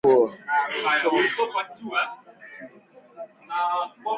Dalili za ugonjwa huu